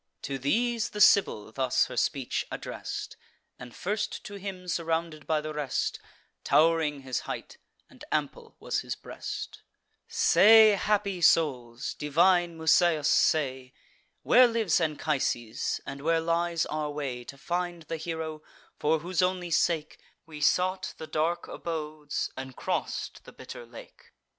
To these the Sibyl thus her speech address'd, And first to him surrounded by the rest Tow'ring his height, and ample was his breast; "Say, happy souls, divine Musaeus, say, Where lives Anchises, and where lies our way To find the hero, for whose only sake We sought the dark abodes, and cross'd the bitter lake?"